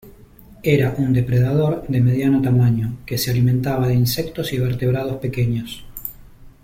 Era un depredador de mediano tamaño, que se alimentaba de insectos y vertebrados pequeños.